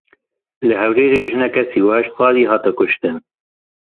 Li Hewlêrê jinek sih û heşt salî hat kuştin.